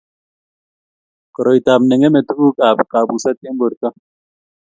koroitabnengeme tunguk ab kabuset eng borto